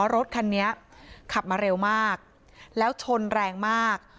รถคันนี้ขับมาเร็วมากแล้วชนแรงมาก